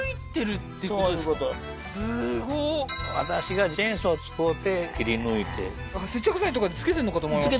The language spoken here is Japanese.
私がチェーンソー使うて切り抜いて接着剤とかで付けてんのかと思いました